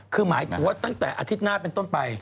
คือหมายถึงว่าตั้งแต่อาทิตย์หน้าเป็นต้นไป